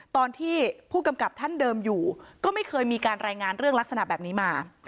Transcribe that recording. ตอนที่ผู้กำกับท่านเดิมอยู่ก็ไม่เคยมีการรายงานเรื่องลักษณะแบบนี้มา